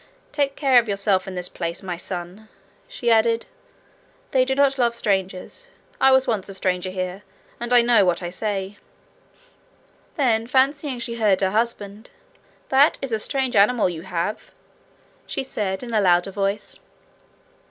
'Take care of yourself in this place, MY son,' she added. 'They do not love strangers. I was once a stranger here, and I know what I say.' Then fancying she heard her husband, 'That is a strange animal you have,' she said, in a louder voice.